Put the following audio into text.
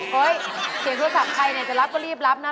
เฮ่ยเสียโทรศัพท์ใครจะรับก็รีบรับนะ